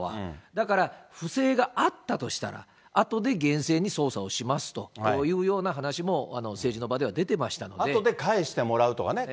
だから不正があったとしたら、あとで厳正に捜査をしますというような話も政治の場では出てましあとで返してもらうとかね。